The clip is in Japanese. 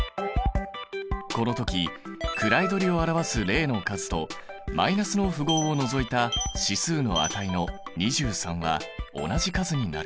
この時位取りを表す０の数とマイナスの符号を除いた指数の値の２３は同じ数になる。